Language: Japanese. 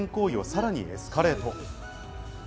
さらにエスカレート。